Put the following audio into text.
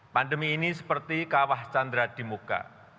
pandemi ini seperti kawah chandra di muka